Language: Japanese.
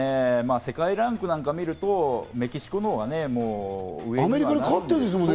世界ランクなんかを見るとメキシコの方が上なんですけど。